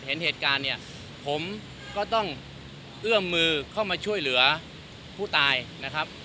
เห็นเหตุการณ์เนี่ยผมก็ต้องเอื้อมมือเข้ามาช่วยเหลือผู้ตายนะครับ